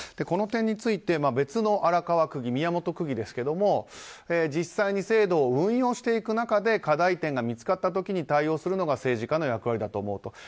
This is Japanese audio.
この点について別の荒川区議宮本区議ですが実際に制度を運用していく中で課題点が見つかった時対応するのが政治家の役割だと思うと。